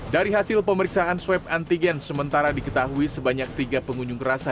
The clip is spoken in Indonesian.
dari hasil pemeriksaan swab antigen sementara diketahui sebanyak tiga pengunjung rasa